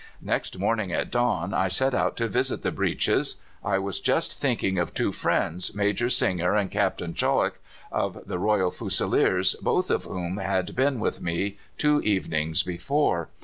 "Next morning at dawn I set out to visit the breaches. I was just thinking of two friends, Major Singer and Captain Cholwick, of the Royal Fusiliers, both of whom had been with me two evenings before.